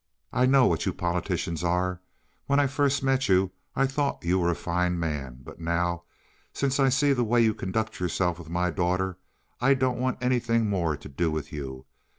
I know what you politicians are. When I first met you I thought you were a fine man, but now, since I see the way you conduct yourself with my daughter, I don't want anything more to do with you.